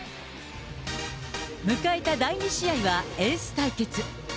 迎えた第２試合は、エース対決。